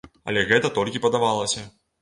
Але гэта толькі падавалася.